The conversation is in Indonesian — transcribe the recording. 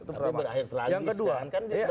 itu pertama yang kedua